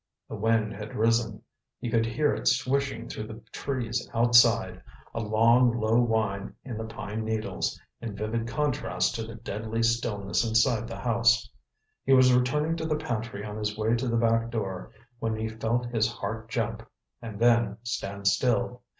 The wind had risen. He could hear it swishing through the trees outside, a long, low whine in the pine needles, in vivid contrast to the deadly stillness inside the house. He was returning to the pantry on his way to the back door, when he felt his heart jump—and then stand still.